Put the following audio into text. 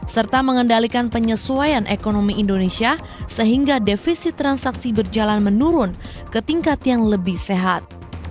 serta mengendalikan penyesuaian ekonomi indonesia sehingga defisit transaksi berjalan menurun ke tingkat yang lebih sehat